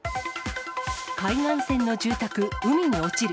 海岸線の住宅、海に落ちる。